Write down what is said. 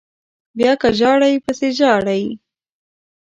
بیا که ژاړئ پسې ژاړئ